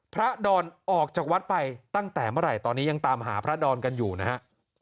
ดอนออกจากวัดไปตั้งแต่เมื่อไหร่ตอนนี้ยังตามหาพระดอนกันอยู่นะฮะ